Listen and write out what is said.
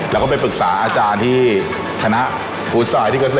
แล้วก็ไปปรึกษาอาจารย์ที่คณะฟูสไตล์ที่เกษตร